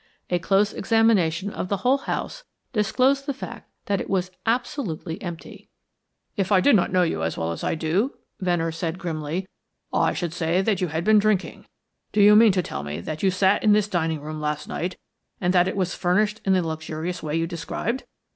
A close examination of the whole house disclosed the fact that it was absolutely empty. "If I did not know you as well as I do," Venner said grimly, "I should say that you had been drinking. Do you mean to tell me that you sat in this dining room last night, and that it was furnished in the luxurious way you described?